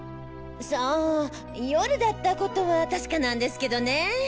さあ夜だったことは確かなんですけどねぇ。